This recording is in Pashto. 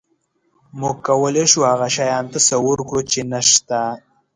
موږ کولی شو هغه شیان تصور کړو، چې نهشته.